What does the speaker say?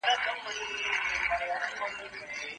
ایا څېړونکی باید د متن سرچيني وڅېړي؟